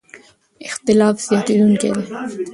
اختلاف زیاتېدونکی دی.